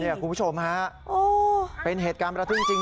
โอ้โหนี่คุณผู้ชมฮะเป็นเหตุการณ์ประทุนจริงฮะ